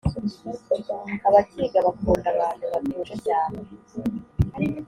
abakiga bakunda abantu batuje cyane